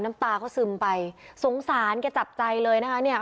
น้ำตาก็ซึมไปสงสารแกจับใจเลยนะคะเนี่ย